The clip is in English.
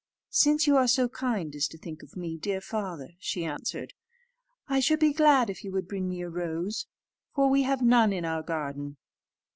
"Since you are so kind as to think of me, dear father," she answered, "I should be glad if you would bring me a rose, for we have none in our garden."